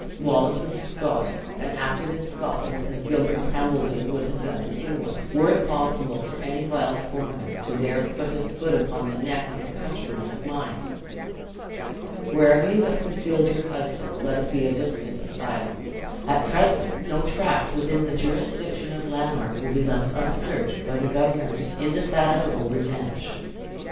Wallace is a Scot, and acted in Scotland as Gilbert Hambledon would have done in England, were it possible for any vile foreigner to there put his foot upon the neck of a countryman of mine. Wherever you have concealed your husband, let it be a distant asylum. At present no tract within the jurisdiction of Lanark will be left unsearched by the governor's indefatigable revenge."